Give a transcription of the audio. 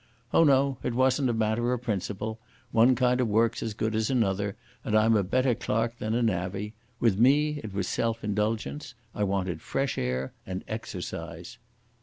Oh, no, it wasn't a matter of principle. One kind of work's as good as another, and I'm a better clerk than a navvy. With me it was self indulgence: I wanted fresh air and exercise."